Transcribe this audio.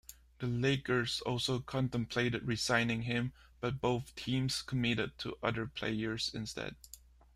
The Lakers also contemplated re-signing him, but both teams committed to other players instead.